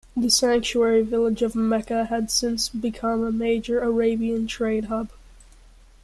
The sanctuary village of Mecca had since become a major Arabian trade hub.